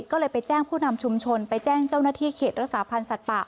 ก็เลยไปแจ้งผู้นำชุมชนไปแจ้งเจ้าหน้าที่เขตรักษาพันธ์สัตว์ป่า